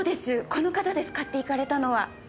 この方です買っていかれたのは。